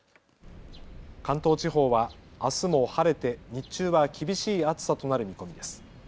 関東地方はあすも晴れて日中は厳しい暑さとなる見込みです。